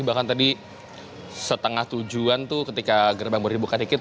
bahkan tadi setengah tujuan tuh ketika gerbang baru dibuka dikit